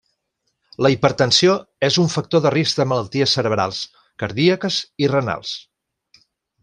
La hipertensió és un factor de risc de malalties cerebrals, cardíaques i renals.